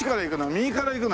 右から行くの？